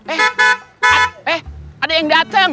eh eh eh ada yang dateng